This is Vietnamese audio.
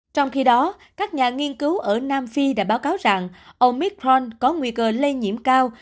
trong khi đó các nhà nghiên cứu ở nam phi đã báo cáo rằng omithront có nguy cơ lây nhiễm cao